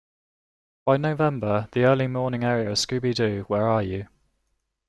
By November, the early-morning airing of Scooby-Doo, Where Are You!